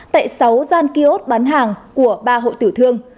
tại sáu gian kiosk bán hàng của ba hội tiểu thương